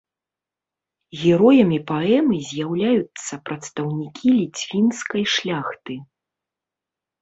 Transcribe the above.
Героямі паэмы з'яўляюцца прадстаўнікі ліцвінскай шляхты.